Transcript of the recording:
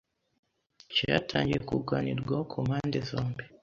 cyatangiye kuganirwaho ku mpande zombi,